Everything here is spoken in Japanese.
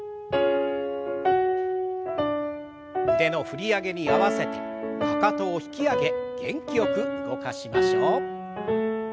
腕の振り上げに合わせてかかとを引き上げ元気よく動かしましょう。